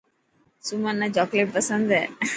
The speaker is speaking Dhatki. سمن نا چاڪليٽ پسند هي